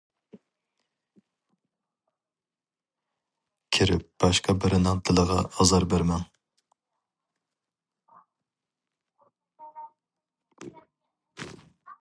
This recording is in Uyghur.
كىرىپ باشقا بىرىنىڭ دىلىغا ئازار بەرمەڭ.